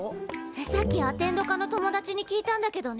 さっきアテンド科の友達に聞いたんだけどね